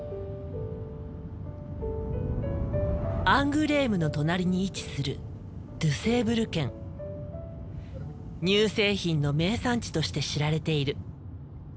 アングレームの隣に位置する乳製品の名産地として知られている。